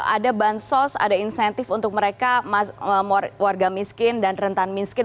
ada bansos ada insentif untuk mereka warga miskin dan rentan miskin